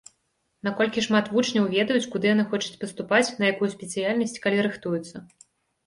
Наколькі шмат вучняў ведаюць, куды яны хочуць паступаць, на якую спецыяльнасць, калі рыхтуюцца?